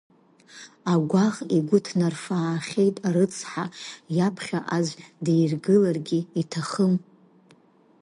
Агәаӷ игәы ҭнафаахьеит арыцҳа, иаԥхьа аӡә диргыларгьы иҭахым.